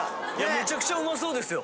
めちゃくちゃうまそうですよ。